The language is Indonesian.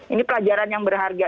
ini pelajaran yang berharga